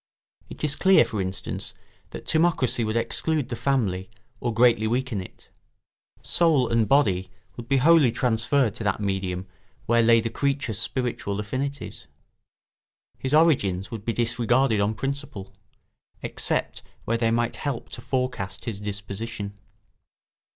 It is clear, for instance, that timocracy would exclude the family or greatly weaken it. Soul and body would be wholly transferred to that medium where lay the creature's spiritual affinities; his origins would be disregarded on principle, except where they might help to forecast his disposition.